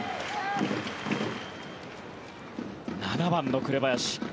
７番の紅林。